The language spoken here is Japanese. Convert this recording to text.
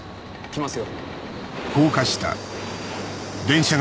来ますよ。